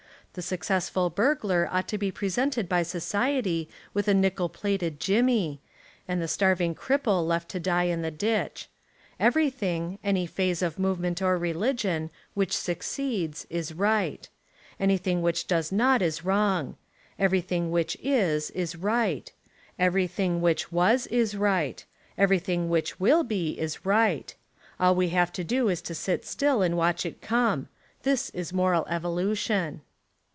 The successful burglar ought to be presented by so ciety with a nickel plated "jimmy," and the 57 Essays and Literary Studies starving cripple left to die in the ditch. Every thing — any phase of movement or religion — which succeeds, is right. Anything which does not is wrong. Everything which is, is right; everything which was, is right; everything which will be, is right. All we have to do Is to sit still and watch it come. This is moral evolution.